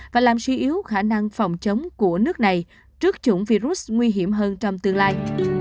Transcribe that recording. và làm suy yếu khả năng phòng chống của nước này trước chủng virus nguy hiểm hơn trong tương lai